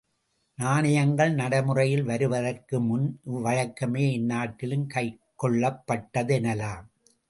நாணயங்கள் நடைமுறையில் வருவதற்குமுன் இவ்வழக்கமே எந்நாட்டிலும் கைக்கொள்ளப்பட்டது என்னலாம்.